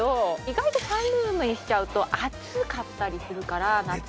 意外とサンルームにしちゃうと暑かったりするから夏は。